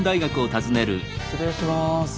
失礼します。